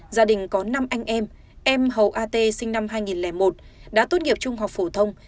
gia đình có năm anh em em hầu a t sinh năm hai nghìn một đã tốt nghiệp trung học phổ thông